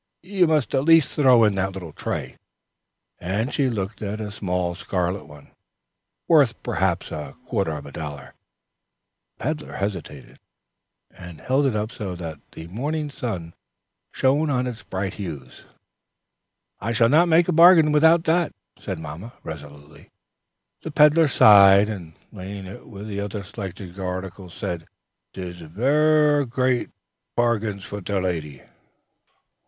You must at least throw in that little tray," and she looked at a small scarlet one, worth perhaps a quarter of a dollar. The peddler hesitated, and held it up so that the morning sun shone on its bright hues. "I shall not make a bargain without that," said mamma, resolutely. The peddler sighed, and laying it with the selected articles said: "Tish ver great pargains for te lady."